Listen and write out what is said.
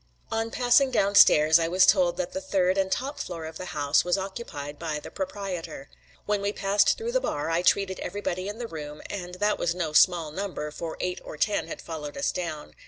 On passing downstairs I was told that the third and top floor of the house was occupied by the proprietor. When we passed through the bar, I treated everybody in the room and that was no small number, for eight or ten had followed us down.